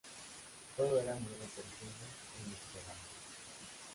Todo era muy repentino e inesperado".